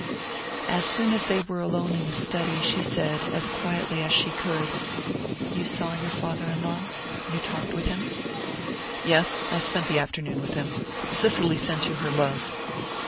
As soon as they were alone in the study she said, as quietly as she could: "You saw your father in law? You talked with him?" "Yes I spent the afternoon with him. Cicely sent you her love."